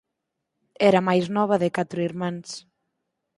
Era a máis nova de catro irmáns.